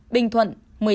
bình thuận một mươi tám